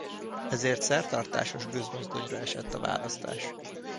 Ezért szertartályos gőzmozdonyra esett a választás.